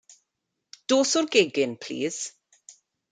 Dos o'r gegin plis.